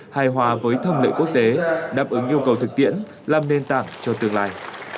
hài hòa với thâm lợi quốc tế đáp ứng yêu cầu thực tiễn làm nền tảng cho tương lai